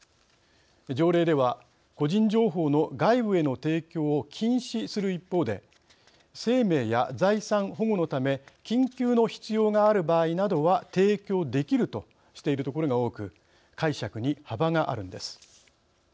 条例では個人情報の外部への提供を禁止する一方で生命や財産保護のため緊急の必要がある場合などは提供できるとしているところが多く解釈に幅があるんです。